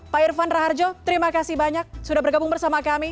pak irfan raharjo terima kasih banyak sudah bergabung bersama kami